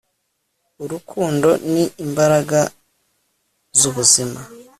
urukundo ni imbaraga z'ubuzima